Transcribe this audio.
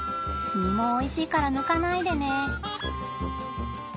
実もおいしいから抜かないでね。